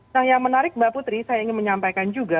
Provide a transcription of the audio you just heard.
nah yang menarik mbak putri saya ingin menyampaikan juga